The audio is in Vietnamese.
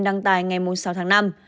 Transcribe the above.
đăng tài ngày sáu tháng năm